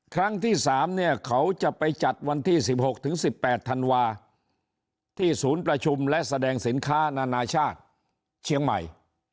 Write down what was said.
ครั้งที่๓เนี่ยเขาจะไปจัดวันที่๑๖๑๘ธันวาที่ศูนย์ประชุมและแสดงสินค้านานาชาติเชียงใหม่